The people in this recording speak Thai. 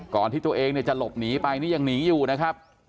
ก่อนที่ตัวเองจะลบหนีไปยังหนีอยู่นะครับ